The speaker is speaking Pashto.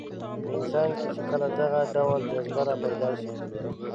په انسان کې چې کله دغه ډول جذبه راپیدا شي.